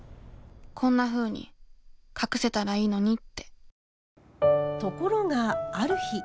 こんなふうに隠せたらいいのにってところがある日。